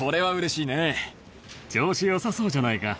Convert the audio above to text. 調子よさそうじゃないか。